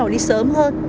đi sớm hơn